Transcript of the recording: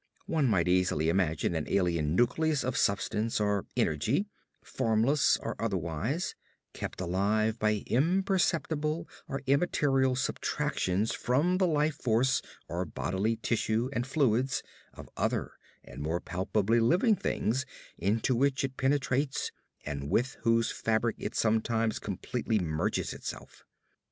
One might easily imagine an alien nucleus of substance or energy, formless or otherwise, kept alive by imperceptible or immaterial subtractions from the life force or bodily tissue and fluids of other and more palpably living things into which it penetrates and with whose fabric it sometimes completely merges itself.